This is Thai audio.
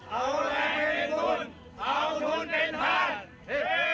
เอาแรงเป็นบุญเอาทุนเป็นภาค